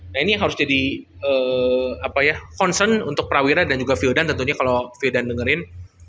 nah ini yang harus jadi concern untuk prawira dan vildan tentunya kalau vildan dengerin